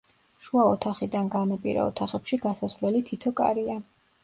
შუა ოთახიდან განაპირა ოთახებში გასასვლელი თითო კარია.